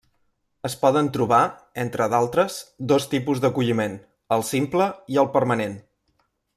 Es poden trobar, entre d'altres, dos tipus d’acolliment: el simple i el permanent.